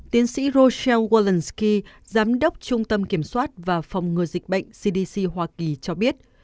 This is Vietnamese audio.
tiến sĩ roseel welansky giám đốc trung tâm kiểm soát và phòng ngừa dịch bệnh cdc hoa kỳ cho biết